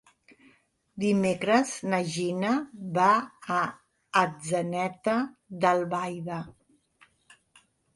Dimecres na Gina va a Atzeneta d'Albaida.